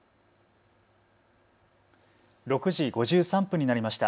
６時５３分になりました。